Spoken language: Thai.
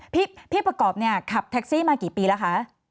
พี่ประกอบเนี่ยขับแท็กซี่มากี่ปีแล้วคะ